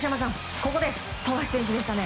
ここで富樫選手でしたね。